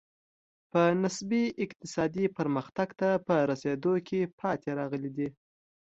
په نسبي اقتصادي پرمختګ ته په رسېدو کې پاتې راغلي دي.